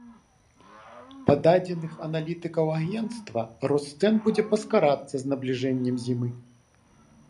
Па дадзеных аналітыкаў агенцтва, рост цэн будзе паскарацца з набліжэннем зімы.